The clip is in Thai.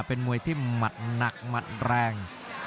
เป็นมวยที่หมัดหนักหมัดแรง